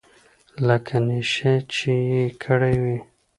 لکه نېشه چې يې کړې وي.